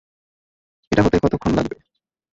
এটা হতে কতক্ষন লাগবে?